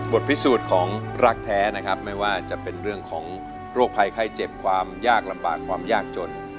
พิสูจน์ของรักแท้นะครับไม่ว่าจะเป็นเรื่องของโรคภัยไข้เจ็บความยากลำบากความยากจน